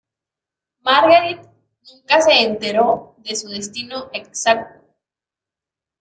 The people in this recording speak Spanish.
Margarete nunca se enteró de su destino exacto.